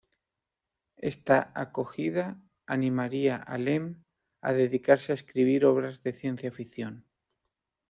Esta acogida animaría a Lem a dedicarse a escribir obras de ciencia ficción.